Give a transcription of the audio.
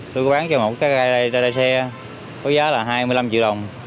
tôi có bán cho một cái xe có giá là hai mươi năm triệu đồng